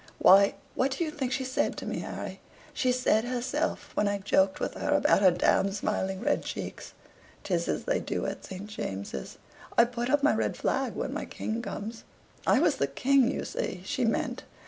Why, what do you think she said to me, Harry? She said herself, when I joked with her about her d d smiling red cheeks: ''Tis as they do at St. James's; I put up my red flag when my king comes.' I was the king, you see, she meant.